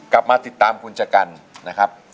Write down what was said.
กลับมาติดตามคุณชะกันนะครับ